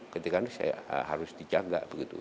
ketika ini saya harus dijaga begitu